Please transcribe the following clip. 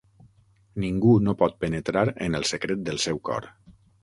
Ningú no pot penetrar en el secret del seu cor.